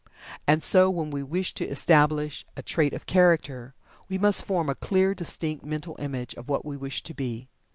And so, when we wish to establish a trait of Character, we must form a clear, distinct Mental Image of what we wish to be.